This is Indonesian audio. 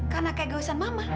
karena keegoisan mama